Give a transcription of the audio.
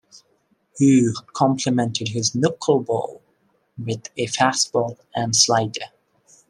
Hough complemented his knuckleball with a fastball and slider.